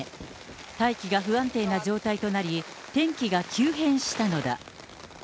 大気が不安定な状態となり、天気が急変したのだ。